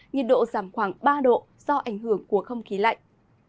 nhiệt độ giảm khoảng ba độ do ảnh hưởng của không khí lạnh